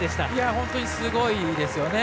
本当にすごいですよね。